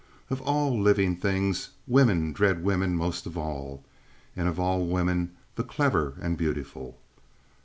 Of all living things, women dread women most of all, and of all women the clever and beautiful.